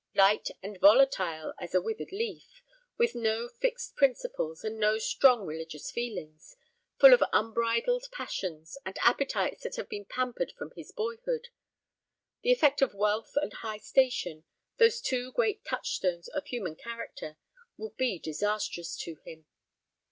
Light and volatile as a withered leaf; with no fixed principles, and no strong religious feelings; full of unbridled passions, and appetites that have been pampered from his boyhood; the effect of wealth and high station, those two great touchstones of the human character, will be disastrous to him.